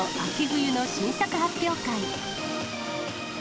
冬の新作発表会。